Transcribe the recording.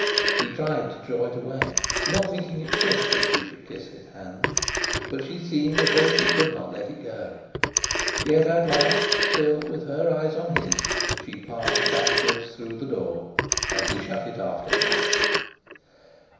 He tried to draw it away, not thinking it fit that she should kiss his hand, but she seemed as though she could not let it go. Yet at last, still with her eyes on his, she passed backwards through the door, and he shut it after her.